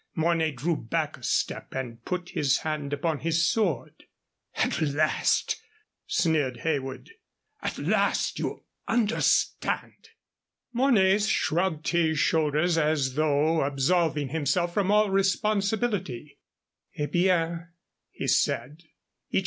Mornay drew back a step and put his hand upon his sword. "At last," sneered Heywood "at last you understand." Mornay shrugged his shoulders as though absolving himself from all responsibility. "Eh bien," he said.